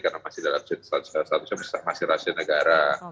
karena masih dalam statusnya masih rasio negara